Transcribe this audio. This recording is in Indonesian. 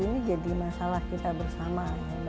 ini jadi masalah kita bersama